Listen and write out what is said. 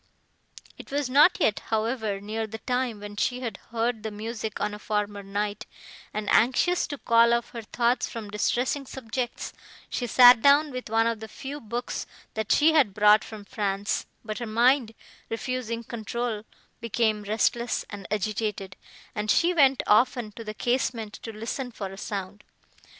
It was not yet, however, near the time when she had heard the music on a former night, and anxious to call off her thoughts from distressing subjects, she sat down with one of the few books, that she had brought from France; but her mind, refusing control, became restless and agitated, and she went often to the casement to listen for a sound.